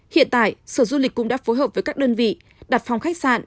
hiện tại sở du lịch cũng đã phối hợp với các đơn vị đặt phòng khách sạn